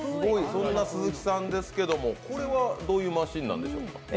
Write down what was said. そんな鈴木さんですけどもこれはどんなマシーンですか？